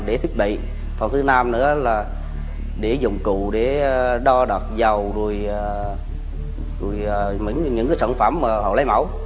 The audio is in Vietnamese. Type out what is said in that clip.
để thiết bị phòng thứ năm nữa là để dụng cụ để đo đặt dầu rồi những sản phẩm mà họ lấy mẫu